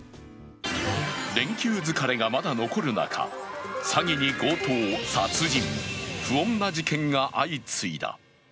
連休疲れがまだ残る中、詐欺に強盗、殺人、不穏な事件が相次いだ。